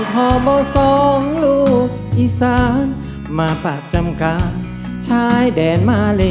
ลุงธาบ่าสองลูกอีฟสารมาปัจจำกาทใช้แดนมาเหล่น